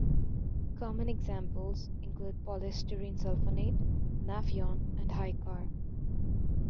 Common examples include polystyrene sulfonate, Nafion and Hycar.